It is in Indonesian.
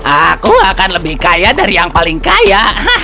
aku akan lebih kaya dari yang paling kaya